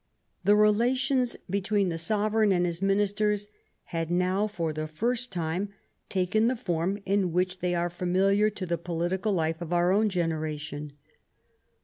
The relations be tween the sovereign and his ministers had now, for the first time, taken the form in which they are familiar to the political life of our own generation.